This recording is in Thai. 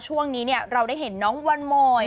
ช่วงนี้เราได้เห็นน้องวันโมย